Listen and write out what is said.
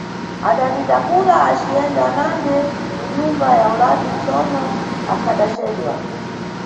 Adanditakula aciyenda nande ku nyumba ya ulapi, tsono akhadacedwa.